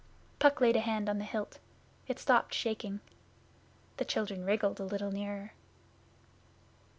Puck laid a hand on the hilt. It stopped shaking. The children wriggled a little nearer.